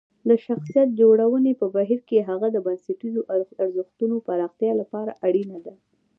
د شخصیت جوړونې په بهیر کې هڅه د بنسټیزو ارزښتونو پراختیا لپاره اړینه ده.